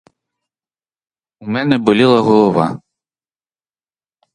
У мене боліла голова.